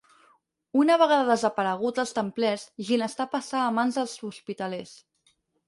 Una vegada desaparegut els templers Ginestar passà a mans dels hospitalers.